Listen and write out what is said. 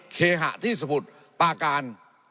เคหะที่สมุทรปาการ